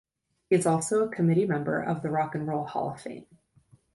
He is also a committee member of the Rock and Roll Hall of Fame.